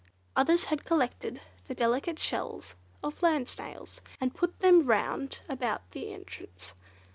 Others had collected the delicate shells of land snails, and put them round about the entrance.